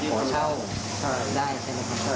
ขอเช่าได้ใช่ไหมครับ